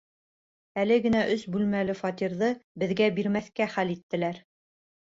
Әле генә өс бүлмәле фатирҙы беҙгә бирмәҫкә хәл иттеләр.